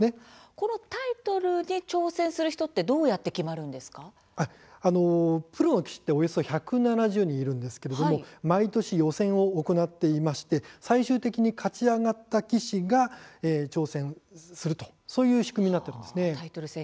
このタイトルに挑戦する人はプロの棋士はおよそ１７０人いるんですが毎年予選を行っていまして最終的に勝ち上がった棋士が挑戦するそういう仕組みになっています。